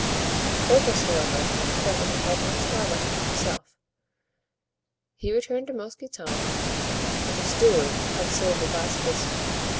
Porthos, however, found that he had no straw left for himself. He returned to Mousqueton, but the steward had sold the last wisp.